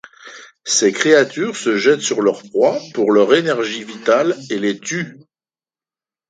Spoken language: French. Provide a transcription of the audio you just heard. Ces créatures se jettent sur leurs proies pour leur énergie vitale et les tuent.